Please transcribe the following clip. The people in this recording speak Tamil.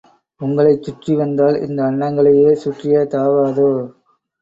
உங்களைச் சுற்றி வந்தால் இந்த அண்டங்களையே சுற்றிய தாகாதோ?